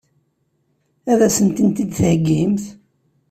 Ad sent-t-id-theggimt?